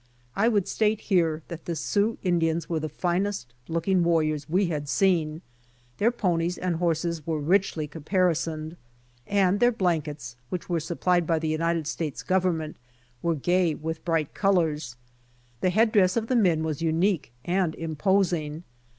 I would state here that the Sioux Indians were the finest looking warriors we had seen. Their ponies and horses were richly caparisoned, and their blankets, which were supplied by the United States government, were gay with bright colors. The head dress of the men was unique and imposing.